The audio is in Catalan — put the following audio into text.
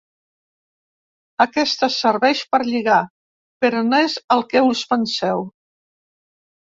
Aquesta serveix per lligar, però no és el que us penseu.